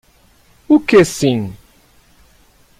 O que sim?